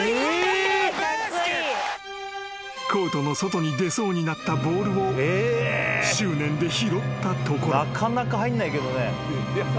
［コートの外に出そうになったボールを執念で拾ったところ］